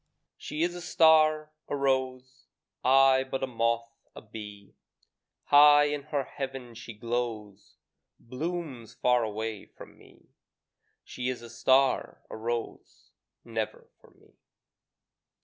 She is a star, a rose, I but a moth, a bee; High in her heaven she glows, Blooms far away from me: She is a star, a rose, Never for me.